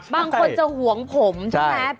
บางคนจะห่วงผมใช่ไหม